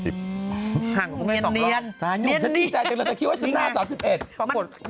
สาหร่างยุ่งฉันติดใจจริงแล้วจะคิดว่าชนะ๓๑